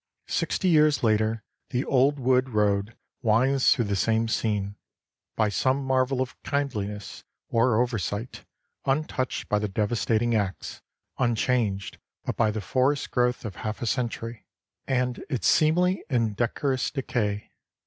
Sixty years later the old wood road winds through the same scene, by some marvel of kindliness or oversight, untouched by the devastating axe, unchanged but by the forest growth of half a century and its seemly and decorous decay.